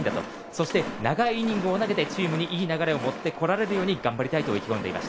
そして長いイニングを投げて、チームにいい流れを持ってこれるようにしたいと。